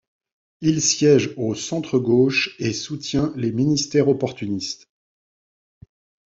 Il siège au centre-gauche et soutient les ministères opportunistes.